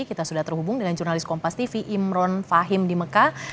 kita sudah terhubung dengan jurnalis kompas tv imron fahim di mekah